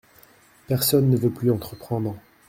Personne ne veut plus entreprendre.